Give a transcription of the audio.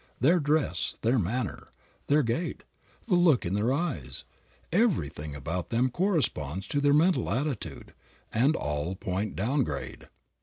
Their dress, their manner, their gait, the look in their eyes, everything about them corresponds to their mental attitude, and all point downgrade.